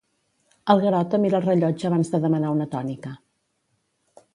El Garota mira el rellotge abans de demanar una tònica.